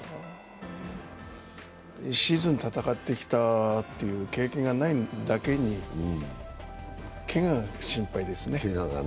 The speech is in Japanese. １シーズン戦ってきたという経験がないだけにけがが心配ですね。